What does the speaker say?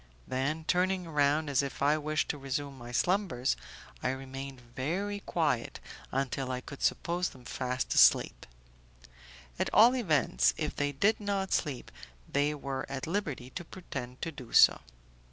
Then, turning round as if I wished to resume my slumbers, I remained very quiet until I could suppose them fast asleep; at all events, if they did not sleep, they were at liberty to pretend to do so.